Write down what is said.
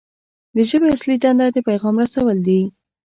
د ژبې اصلي دنده د پیغام رسول دي.